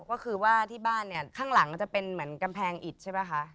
ก็คือว่าที่บ้านเนี่ยข้างหลังจะเป็นเหมือนกำแพงอิดใช่ป่ะคะ